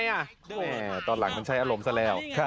ตอนหลังมันใช้อารมณ์ซะแล้ว